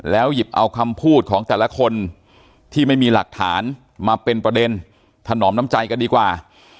หยิบเอาคำพูดของแต่ละคนที่ไม่มีหลักฐานมาเป็นประเด็นถนอมน้ำใจกันดีกว่า